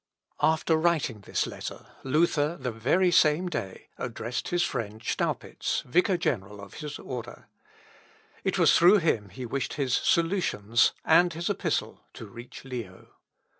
After writing this letter, Luther, the very same day, addressed his friend Staupitz, vicar general of his order. It was through him he wished his "Solutions" and his epistle to reach Leo.